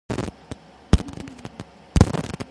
Downtown Denver is to the north.